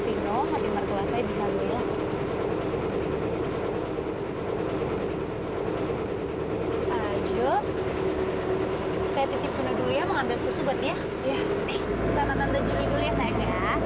ya tuhan ya tuhan